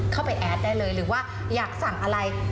แอดได้เลยหรือว่าอยากสั่งอะไร